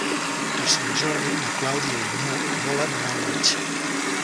Per Sant Jordi na Clàudia i n'Hug volen anar al metge.